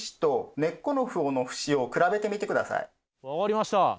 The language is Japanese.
分かりました。